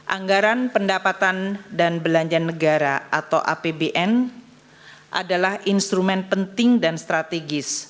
anggaran pendapatan dan belanja negara atau apbn adalah instrumen penting dan strategis